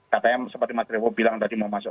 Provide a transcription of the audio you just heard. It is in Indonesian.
katanya seperti md wo bilang tadi mau masuk